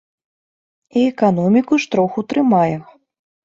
І эканоміку ж троху трымае.